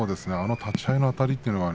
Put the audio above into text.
立ち合いのあたり